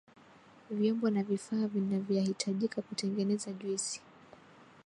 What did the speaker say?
Vyombo na vifaa vinavyahitajika kutengeneza juisi